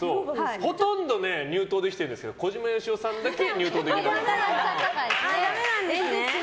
ほとんど入党できてるんですけど小島よしおさんだけ入党できなかった。